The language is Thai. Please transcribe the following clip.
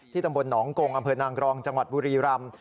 ตำบลหนองกงอำเภอนางรองจังหวัดบุรีรำ